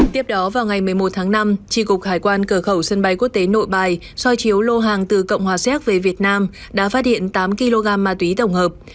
tiếp đó vào ngày một mươi một tháng năm tri cục hải quan cửa khẩu sân bay quốc tế nội bài soi chiếu lô hàng từ cộng hòa xéc về việt nam đã phát hiện tám kg ma túy tổng hợp